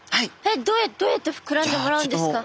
どうやって膨らんでもらうんですか？